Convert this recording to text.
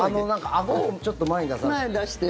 あごをちょっと前に出して。